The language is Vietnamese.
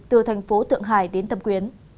của thành phố tượng hải đến tâm quyến